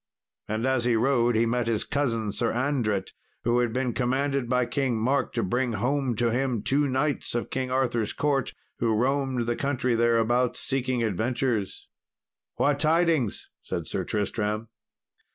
And as he rode, he met his cousin Sir Andret, who had been commanded by King Mark to bring home to him two knights of King Arthur's court who roamed the country thereabouts seeking adventures. "What tidings?" said Sir Tristram.